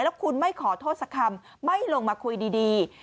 แล้วคุณไม่ขอโทษสักคำไม่ลงมาคุยดี